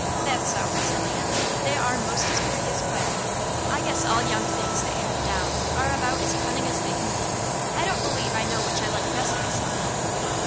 "That's so!" said Leon. "They are most as pretty as quail. I guess all young things that have down are about as cunning as they can be. I don't believe I know which I like best, myself."